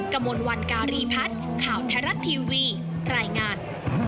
กระมวลวันการีพัฒน์ข่าวไทยรัฐทีวีรายงาน